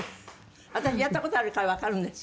私やった事あるからわかるんです。